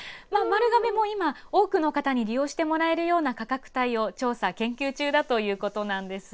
丸亀も今、多くの方に利用してもらえるような価格帯を調査、研究中だということなんです。